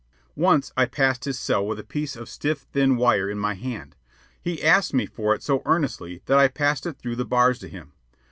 Once I passed his cell with a piece of stiff thin wire in my hand. He asked me for it so earnestly that I passed it through the bars to him.